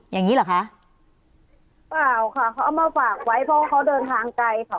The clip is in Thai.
อย่างนี้เหรอคะเปล่าค่ะเขาเอามาฝากไว้เพราะเขาเดินทางไกลค่ะ